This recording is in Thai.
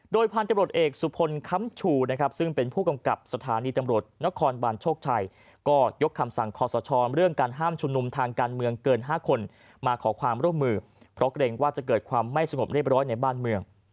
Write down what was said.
โดยพันธุ์ตำรวจเอกสุพลค้ำชูนะครับซึ่งเป็นผู้กำกับสถานีตำรวจนครบานโชคชัยก็ยกคำสั่งคอสชเรื่องการห้ามชุมนุมทางการเมืองเกิน๕คนมาขอความร่วมมือเพราะเกรงว่าจะเกิดความไม่สงบเรียบร้อยในบ้านเมือง